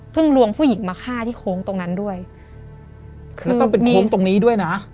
ลวงผู้หญิงมาฆ่าที่โค้งตรงนั้นด้วยแล้วก็เป็นโค้งตรงนี้ด้วยนะ